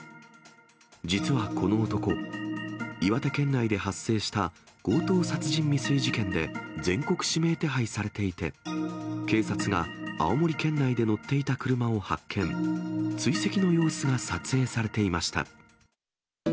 実はこの男、岩手県内で発生した強盗殺人未遂事件で全国指名手配されていて、警察が青森県内で乗っていた車を発見、追跡の様子が撮影されていました。